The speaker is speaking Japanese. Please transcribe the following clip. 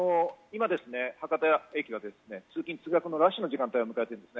今博多駅はですね、通勤・通学のラッシュの時間帯を迎えています。